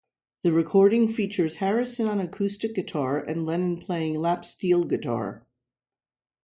The recording features Harrison on acoustic guitar and Lennon playing lap steel guitar.